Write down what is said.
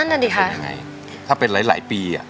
นั่นน่ะดิค่ะยังไงถ้าเป็นหลายปีอ่ะ